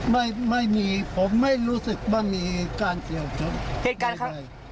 ไม่ไม่มีผมไม่รู้สึกว่ามีการเสี่ยงจบ